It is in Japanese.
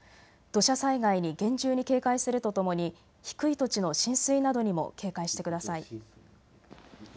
土砂災害に厳重に警戒するとともに低い土地の浸水などにも警戒してください。